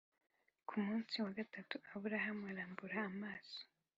Ku munsi wa gatatu Aburahamu arambura amaso